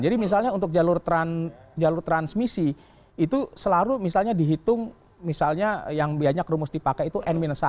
jadi misalnya untuk jalur transmisi itu selalu misalnya dihitung misalnya yang banyak rumus dipakai itu n satu